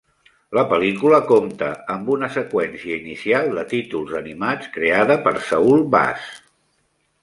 La pel·lícula compta amb una seqüència inicial de títols animats creada per Saul Bass.